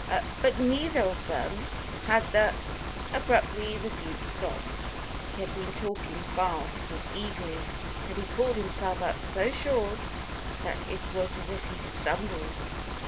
But neither of them had the " Abruptly the Duke stopped. He had been talking fast and eagerly, and he pulled himself up so short that it was as if he stumbled.